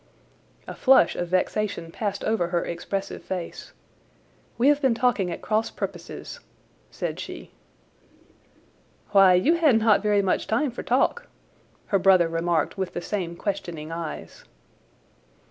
A flush of vexation passed over her expressive face. "We have been talking at cross purposes," said she. "Why, you had not very much time for talk," her brother remarked with the same questioning eyes.